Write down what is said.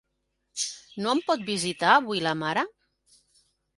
No em pot visitar avui la mare?